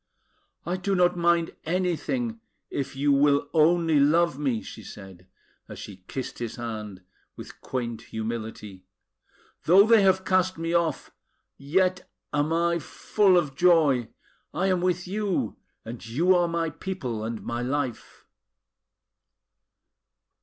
"I do not mind anything, if you will only love me!" she said, as she kissed his hand with quaint humility. "Though they have cast me off, yet am I full of joy! I am with you; and you are my people and my life!"